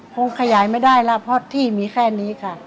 คงขยายไม่ได้แล้วเพราะที่มีแค่นี้ค่ะ